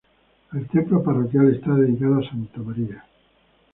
El templo parroquial está dedicado a Santa María.